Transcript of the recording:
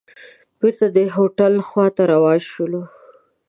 بېرته د هوټل خوا ته روان شولو.